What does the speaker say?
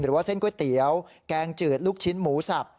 ว่าเส้นก๋วยเตี๋ยวแกงจืดลูกชิ้นหมูสับ